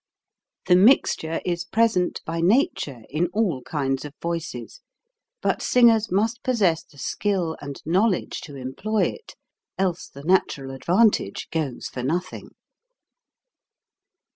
The mixture is present by nature in all kinds of voices, but singers must possess the skill and knowledge to employ it, else the natural advantage goes for nothing.